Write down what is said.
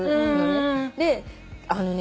であのね